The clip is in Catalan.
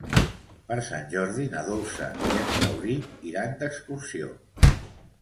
Per Sant Jordi na Dolça i en Rauric iran d'excursió.